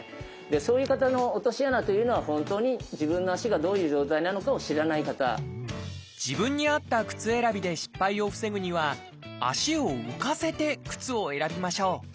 そういう方の落とし穴というのは本当に自分に合った靴選びで失敗を防ぐには足を浮かせて靴を選びましょう。